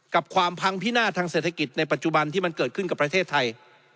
ความพังพินาศทางเศรษฐกิจในปัจจุบันที่มันเกิดขึ้นกับประเทศไทย